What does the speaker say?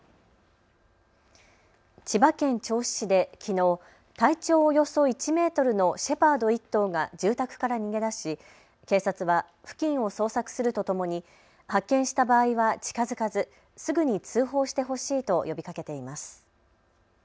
千葉県銚子市できのう体長およそ１メートルのシェパード１頭が住宅から逃げ出し警察は付近を捜索するとともに発見した場合は近づかずすぐに通報してほしいと呼びかけています。